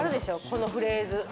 このフレーズ。